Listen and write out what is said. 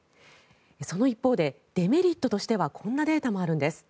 その一方でデメリットとしてはこんなデータもあるんです。